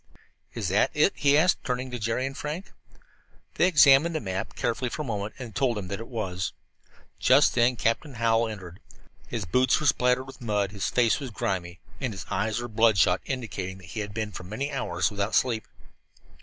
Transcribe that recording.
"Is that it?" he asked, turning to Jerry and Frank. They examined the map carefully for a moment and then told him that it was. Just then Captain Hallowell entered. His boots were spattered with mud, his face was grimy, and his eyes were bloodshot, indicating that he had been for many hours without sleep.